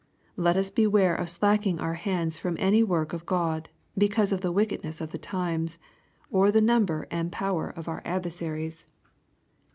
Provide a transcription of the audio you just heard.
Let us bfjware of slacking our hands from any work of God, because of the wickedness of the times, or the number and power of our adversaries.